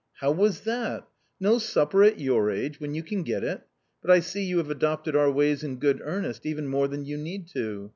" How was that? No supper at your age when you can get it ! But I see you have adopted our ways in good earnest, even more than you need to.